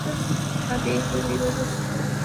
¿habíais bebido vosotras?